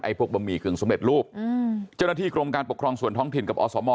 พวกบะหมี่กึ่งสำเร็จรูปอืมเจ้าหน้าที่กรมการปกครองส่วนท้องถิ่นกับอสม